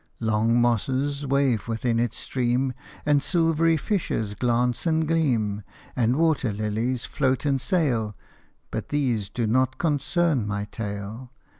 Long mosses wave within its stream, And silvery fishes glance and gleam, And water lilies float and sail. But these do not concern my tale.